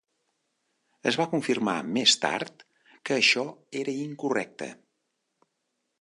Es va confirmar més tard que això era incorrecte.